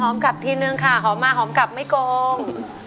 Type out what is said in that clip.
กลับทีนึงค่ะหอมมาหอมกลับไม่โกง